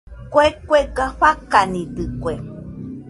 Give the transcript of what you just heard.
Kue kuega fakanidɨkue.